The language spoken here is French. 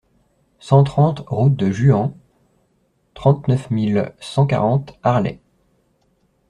cent trente route de Juhans, trente-neuf mille cent quarante Arlay